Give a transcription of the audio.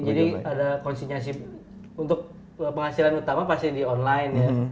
jadi ada konstitusi untuk penghasilan utama pasti di online ya